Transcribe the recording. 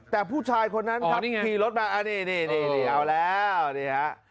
แต่ผู้ชายคนนั้นครับอ๋อนี่ไงขี่รถมาอ่านี่นี่นี่นี่เอาแล้วนี่ฮะ